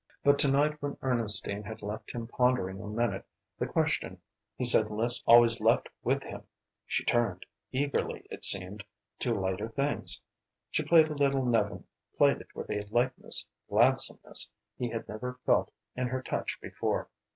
But to night when Ernestine had left him pondering a minute the question he said Liszt always left with him, she turned, eagerly it seemed, to lighter things. She played a little Nevin, played it with a lightness, gladsomeness, he had never felt in her touch before.